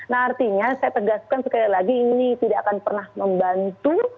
nah artinya saya tegaskan sekali lagi ini tidak akan pernah membantu